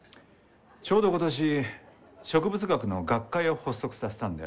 ちょうど今年植物学の学会を発足させたんだよ。